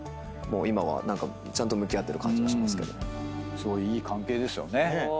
すごいいい関係ですよね。